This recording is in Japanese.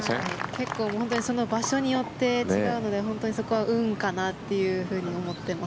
結構その場所によって違うのでそこは運かなと思ってます。